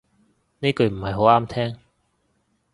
呢句唔係好啱聽